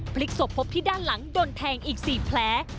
พลิกศพพบที่ด้านหลังโดนแทงอีก๔แผล